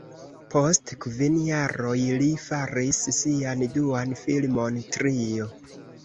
Post kvin jaroj li faris sian duan filmon, "Trio".